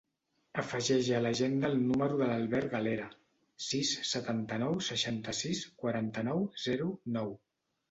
Afegeix a l'agenda el número de l'Albert Galera: sis, setanta-nou, seixanta-sis, quaranta-nou, zero, nou.